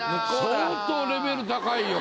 相当レベル高いよこれ。